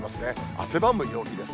汗ばむ陽気です。